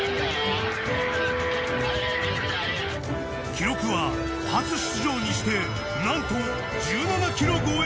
記録は初出場にしてなんと１７ｋｍ越え！